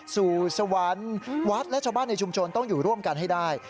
สู่สวรรค์วัดและชาวบ้านในชุมชนต้องอยู่ร่วมกันให้ได้